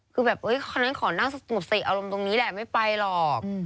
คือแบบคนนั้นขอนั่งสงบสติอารมณ์ตรงนี้แหละไม่ไปหรอก